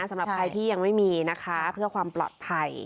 สำหรับใครที่ยังไม่มีนะคะเพื่อความปลอดภัย